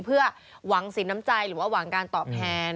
เพื่อหวังสินน้ำใจหรือว่าหวังการตอบแทน